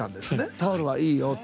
タオルはいいよって。